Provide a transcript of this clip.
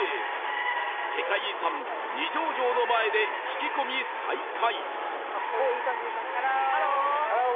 世界遺産二条城の前で聞き込み再開